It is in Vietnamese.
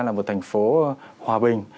là một thành phố hòa bình